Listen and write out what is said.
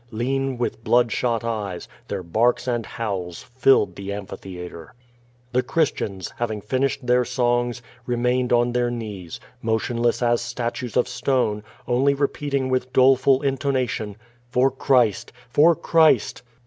Lean, with bloodshot eyes, their barks and howls filled t^c amphitheatre. The Christians, having finished their songs, remained on their knees, motionless as statues of stone, only repeating with doleful intonation, 'Tor Christ! For Christ!"